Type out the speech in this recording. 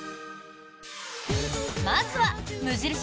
まずは無印